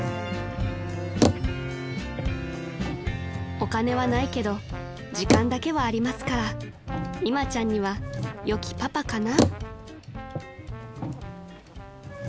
［お金はないけど時間だけはありますからいまちゃんには良きパパかな］